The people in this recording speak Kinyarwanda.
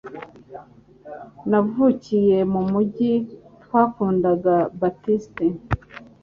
Navukiye mu mujyi twakundaga Baptiste